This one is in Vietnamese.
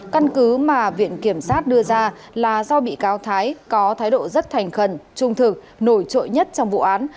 căn cứ mà viện kiểm sát đưa ra là do bị cáo thái có thái độ rất thành khẩn trung thực nổi trội nhất trong vụ án